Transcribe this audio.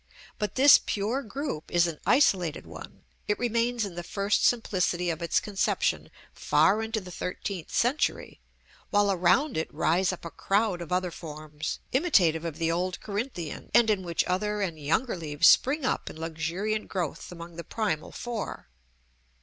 But this pure group is an isolated one; it remains in the first simplicity of its conception far into the thirteenth century, while around it rise up a crowd of other forms, imitative of the old Corinthian, and in which other and younger leaves spring up in luxuriant growth among the primal four.